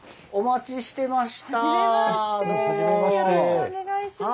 よろしくお願いします。